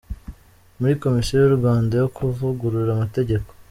Muri Komisiyo y’u Rwanda yo kuvugurura Amategeko